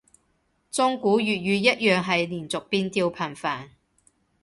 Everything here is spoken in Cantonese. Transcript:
中古粵語一樣係連讀變調頻繁